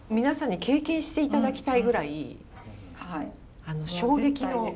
皆さんに経験して頂きたいぐらい衝撃の。